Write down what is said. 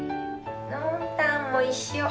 ノンたんも一緒！